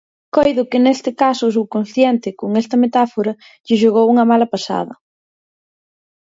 Coido que neste caso o subconsciente, con esta metáfora, lle xogou unha mala pasada.